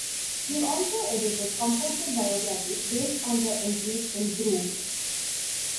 He also edited composer biographies based on the entries in "Grove".